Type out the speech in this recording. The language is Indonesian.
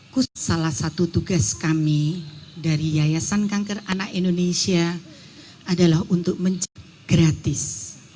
tapi salah satu tugas kami dari yayasan kangker anak indonesia adalah untuk mencari rumah sakit gratis